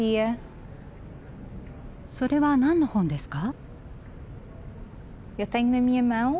それは何の本ですか？